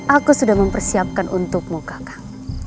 aku sudah mempersiapkan untukmu kakak